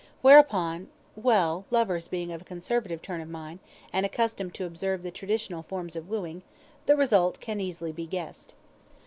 Whereupon well lovers being of a conservative turn of mind, and accustomed to observe the traditional forms of wooing, the result can easily be guessed.